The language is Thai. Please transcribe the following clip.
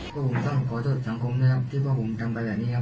ก็ผมต้องขอโทษสังคมนะครับที่ว่าผมทำไปแบบนี้ครับ